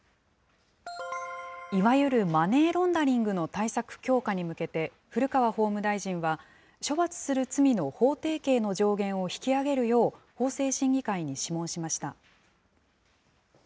いわゆるマネーロンダリングの対策強化に向けて、古川法務大臣は、処罰する罪の法定刑の上限を引き上げるよう、法制審議会に諮問しました。